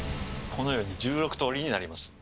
このように１６通りになります。